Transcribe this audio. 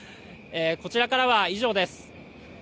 こちらからは以上です。